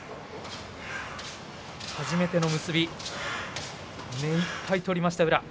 初めての結び目いっぱい取りました、宇良。